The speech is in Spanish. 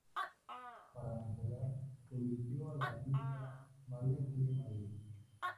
Para Montserrat se eligió a la artista María Julia Marín.